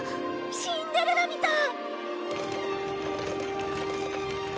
『シンデレラ』みたい！